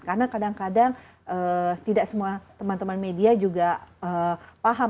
karena kadang kadang tidak semua teman teman media juga paham